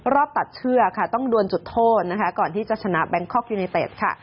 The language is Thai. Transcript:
ตัดเชือกค่ะต้องดวนจุดโทษนะคะก่อนที่จะชนะแบงคอกยูเนเต็ดค่ะ